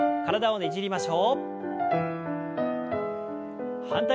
ねじりましょう。